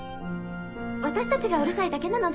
私たちがうるさいだけなので。